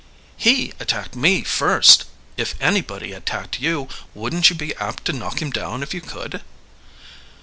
"He attacked me first. If anybody attacked you, wouldn't you be apt to knock him down if you could?"